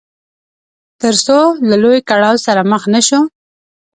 تر څو له لوی کړاو سره مخ نه شو.